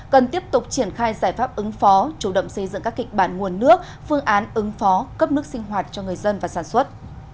cần tiếp tục triển khai giải pháp ứng phó chủ động xây dựng các kịch bản nguồn nước phương án ứng phó cấp nước sinh hoạt cho người dân và sản xuất